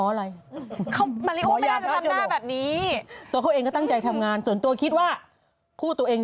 โอ้คุยกันเกราะใช่อะไรคุยกันเขาก็ตรง